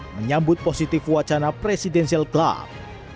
menyambut positif wacana presidential club